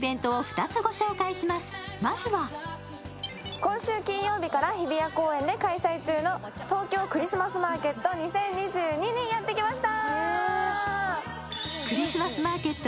今週金曜日から日比谷公園で開催中の東京クリスマスマーケット２０２２にやってまいりました。